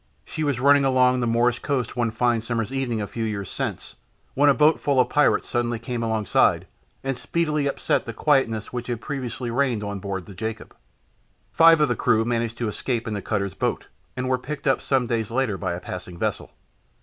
She was running along the Moorish coast one fine summer's evening a few years since, when a boat full of pirates suddenly came alongside, and speedily upset the quietness which had previously reigned on board the Jacob. Five of the crew managed to escape in the cutter's boat and were picked up some days later by a passing vessel.